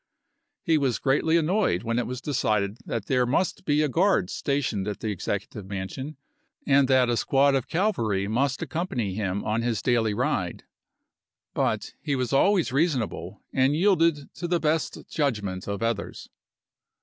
He was greatly annoyed when it was decided that there must be a guard stationed at the Executive Mansion, and that a squad of cavalry must accompany him on his daily ride ; but he was always reasonable and yielded to the best judgment of others.